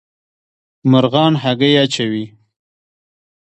مرغان هګۍ اچوي